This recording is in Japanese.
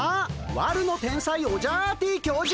悪の天才オジャアーティ教授！